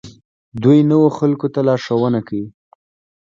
دوی نویو خلکو ته لارښوونه کوي.